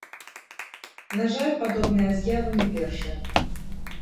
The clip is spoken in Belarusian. На жаль, падобная заява не першая.